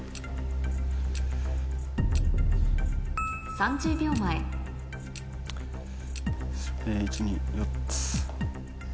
３０秒前１・２４つ。